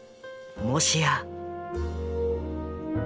もしや。